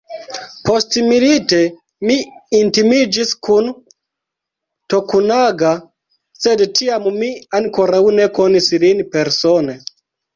Postmilite mi intimiĝis kun Tokunaga, sed tiam mi ankoraŭ ne konis lin persone.